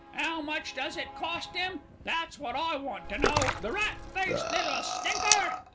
'Ow much does it cost 'im? That's wot I want to know, the rat faced little stinker!"